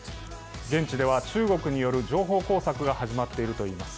現地では中国による情報工作が始まっているといいます。